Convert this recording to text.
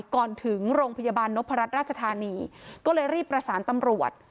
ก่อนถึงโรงพยาบาลนพรัชราชธานีก็เลยรีบประสานตำรวจ